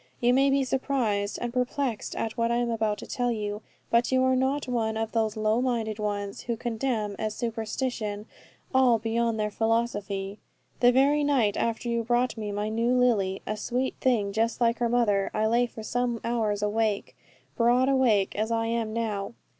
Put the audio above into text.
You may be surprised and perplexed at what I am about to tell you; but you are not one of those low minded ones, who condemn as superstition all beyond their philosophy. The very night after you brought me my new Lily, a sweet thing just like her mother, I lay for some hours awake, broad awake as I am now.